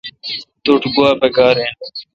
توٹھ گوا پکار این۔